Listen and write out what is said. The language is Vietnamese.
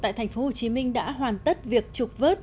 tại thành phố hồ chí minh đã hoàn tất việc trục vớt